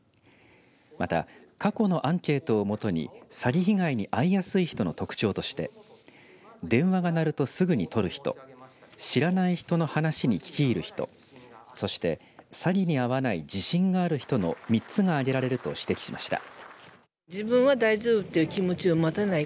また、過去のアンケートを基に詐欺被害に遭いやすい人の特徴として電話が鳴るとすぐに取る人知らない人の話に聞き入る人そして詐欺に遭わない自信がある人の３つが挙げられると指摘しました。